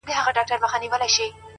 خداى نه چي زه خواست كوم نو دغـــه وي.!